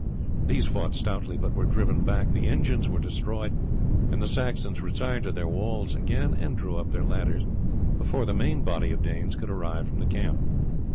These fought stoutly, but were driven back, the engines were destroyed, and the Saxons retired to their walls again and drew up their ladders before the main body of Danes could arrive from the camp.